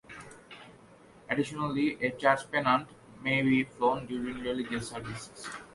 Additionally, a Church pennant may be flown during religious services.